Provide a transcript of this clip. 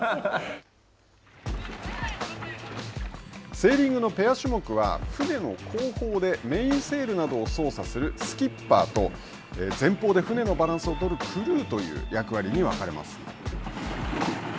セーリングのペア種目は船の後方でメインセールなどを操作するスキッパーと前方で船のバランスを取るクルーという役割に分かれます。